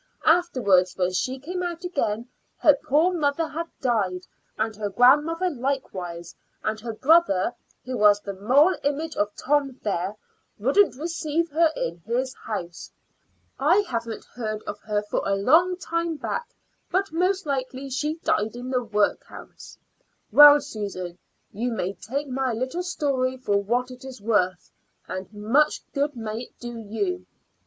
Afterwards, when she came out again, her poor mother had died, and her grandmother likewise; and her brother, who was the moral image of Tom there, wouldn't receive her in his house. I haven't heard of her for a long time back, but most likely she died in the work house. Well, Susan, you may take my little story for what it is worth, and much good may it do you."